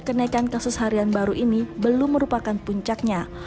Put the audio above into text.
kenaikan kasus harian baru ini belum merupakan puncaknya